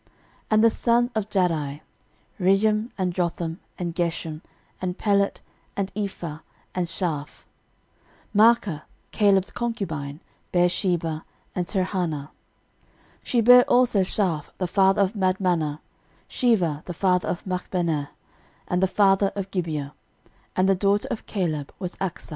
13:002:047 And the sons of Jahdai; Regem, and Jotham, and Gesham, and Pelet, and Ephah, and Shaaph. 13:002:048 Maachah, Caleb's concubine, bare Sheber, and Tirhanah. 13:002:049 She bare also Shaaph the father of Madmannah, Sheva the father of Machbenah, and the father of Gibea: and the daughter of Caleb was Achsa.